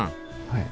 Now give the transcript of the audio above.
はい。